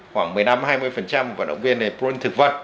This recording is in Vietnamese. khoảng một mươi năm hai mươi vận động viên là protein thực vật